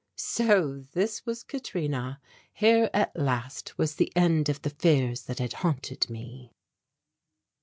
So this was Katrina! Here at last was the end of the fears that had haunted me.